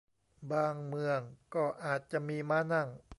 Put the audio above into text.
บางเมืองก็อาจจะมีม้านั่ง